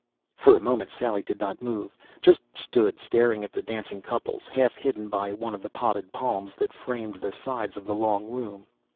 For a moment Sally did not move, just stood staring at the dancing couples, half hidden by one of the potted palms that framed the sides of the long room.